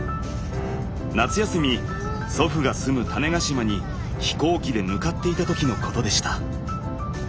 夏休み祖父が住む種子島に飛行機で向かっていた時のことでした。